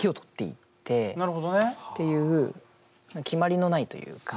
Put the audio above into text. なるほどね。っていう決まりのないというか。